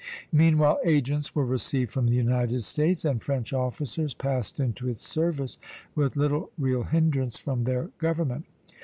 Meanwhile agents were received from the United States, and French officers passed into its service with little real hindrance from their government.